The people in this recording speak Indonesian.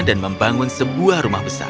dan membangun sebuah rumah besar